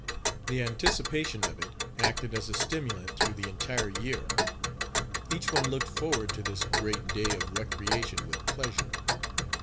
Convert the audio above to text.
The anticipation of it Page 47 acted as a stimulant through the entire year. Each one looked forward to this great day of recreation with pleasure.